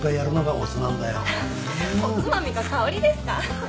おつまみが香りですか？